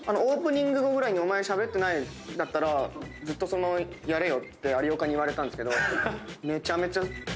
オープニング後ぐらいに「お前しゃべってないんだったらずっとやれよ」って有岡に言われたんですけどめちゃめちゃ。